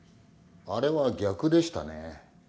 あれは逆でしたね。